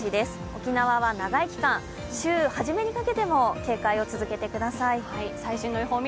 沖縄は長い期間、週初めにかけても警戒を続けてください。